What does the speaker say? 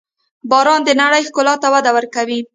• باران د نړۍ ښکلا ته وده ورکوي.